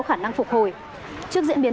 khả năng phục hồi trước diễn biến